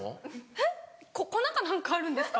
えっ粉か何かあるんですか？